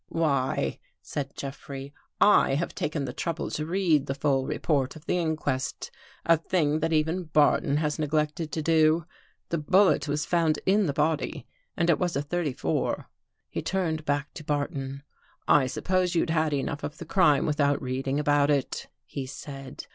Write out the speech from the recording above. " Why," said Jeffrey, " I have taken the trouble to read the full report of the inquest — a thing that 261 THE GHOST GIRL even Barton apparently has neglected to do. The bullet was found in the body and it was a thirty four." He turned back to Barton. " I suppose you'd had enough of the crime without reading about it," he said.